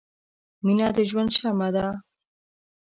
• مینه د ژوند شمعه ده.